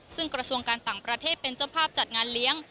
ซึ่งกระทรวงการต่างประเทศเป็นเจ้าภาพจัดงานเลี้ยง